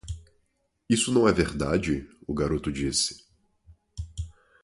"Isso não é verdade,?" o garoto disse.